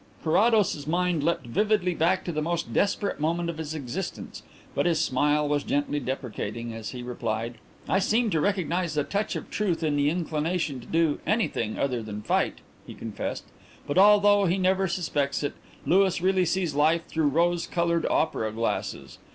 Carrados's mind leapt vividly back to the most desperate moment of his existence, but his smile was gently deprecating as he replied: "I seem to recognize the touch of truth in the inclination to do anything rather than fight," he confessed. "But, although he never suspects it, Louis really sees life through rose coloured opera glasses.